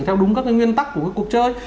theo đúng các cái nguyên tắc của cuộc chơi